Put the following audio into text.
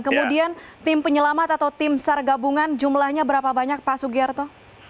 kemudian tim penyelamat atau tim sargabungan jumlahnya berapa banyak pak sugiyarto